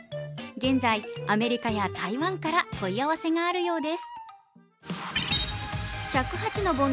現在、アメリカや台湾から問い合わせがあるようです。